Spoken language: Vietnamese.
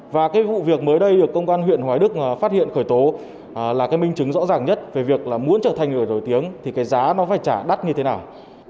và cái vụ việc mới đây được công an huyện hoài đức phát hiện khởi tố là cái minh chứng rõ ràng nhất về việc là muốn trở thành người nổi tiếng thì cái giá nó phải trả đắt như thế nào